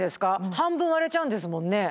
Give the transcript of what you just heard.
半分割れちゃうんですもんね？